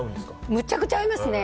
むちゃくちゃ合いますね。